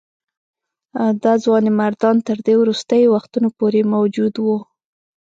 دا ځوانمردان تر دې وروستیو وختونو پورې موجود وه.